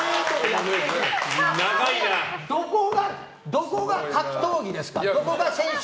どこが格闘技ですかと。